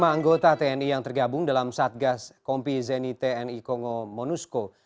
satu ratus tujuh puluh lima anggota tni yang tergabung dalam satgas kompi zeni tni kongo monusco